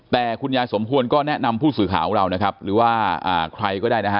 แต่คุณยายสมควรก็แนะนำผู้สื่อข่าวของเรานะครับหรือว่าใครก็ได้นะฮะ